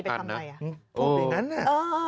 พวกนี้นั้นนะ